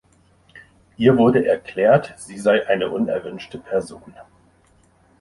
Ihr wurde erklärt, sie sei eine unerwünschte Person.